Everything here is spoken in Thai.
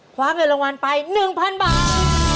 คว้าเงินรางวัลไป๑๐๐๐บาท